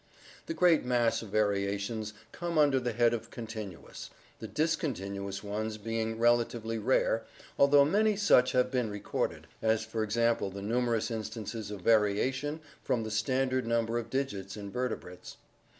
The great mass of variations come under the head of continuous) the discontinuous ones being relatively rare, although many such have been recorded, as for example the numerous instances of variation from the standard number of digits in vertebrates.